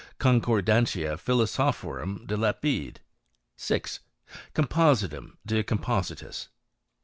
Concordantia Philosophorum de Lapide. 6. Compositum de Compositis.